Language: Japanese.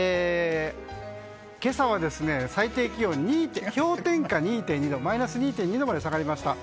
そして、今朝は最低気温氷点下２．２度マイナス２．２度まで下がりました。